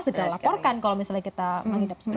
segera laporkan kalau misalnya kita mengidap seperti